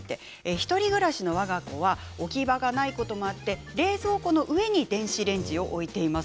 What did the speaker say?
１人暮らしのわが子は置き場がないことがあって冷蔵庫の上に電子レンジを置いています。